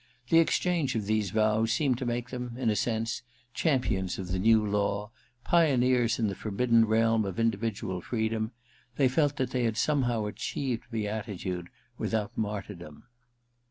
The exchange of these vows seemed to make them, in a sense, champions of the new law, pioneers in the forbidden realm of indi vidual freedom : they felt that they had some how achieved beatitude without martyrdom.